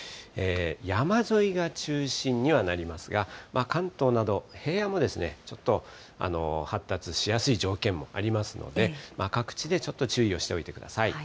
山沿いが中心にはなりますが、関東など平野もちょっと発達しやすい条件もありますので、各地でちょっと注意をしておいてください。